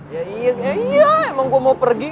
ya iya emang gue mau pergi